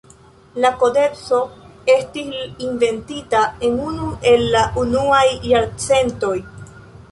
La kodekso estis inventita en unu el la unuaj jarcentoj.